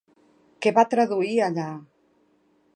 Què va traduir allà?